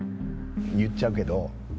言っちゃうけど。